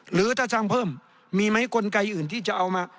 หรือถ้าสร้างเพิ่มมีไหมกลไกอื่นที่จะเอามา